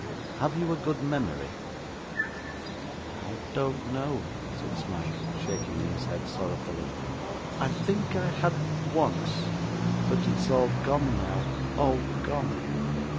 'Have you a good memory?' 'I don't know,' said Smike, shaking his head sorrowfully. 'I think I had once; but it's all gone now all gone.